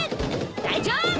大丈夫！